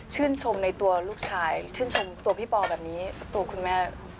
คุณแม่รู้สึกอย่างไรบ้างค่ะ